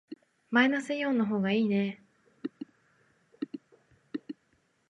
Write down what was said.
マイナスイオンの方がいいね。